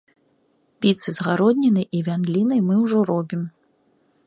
Піцы з гароднінай і вяндлінай мы ўжо робім.